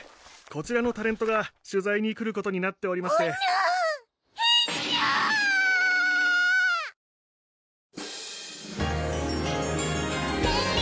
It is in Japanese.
こちらのタレントが取材に来ることになっておりましてふぁんぬ⁉へぶん！